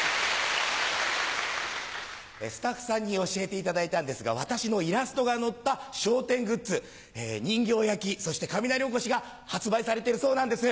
スタッフさんに教えていただいたんですが私のイラストが載った笑点グッズ人形焼そして雷おこしが発売されてるそうなんです。